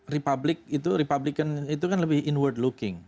republik itu kan lebih inward looking